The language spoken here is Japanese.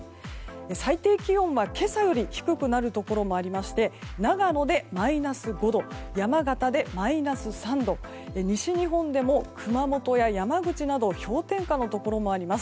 最低気温は今朝より低くなるところもありまして長野でマイナス５度山形でマイナス３度西日本でも熊本や、山口など氷点下のところもあります。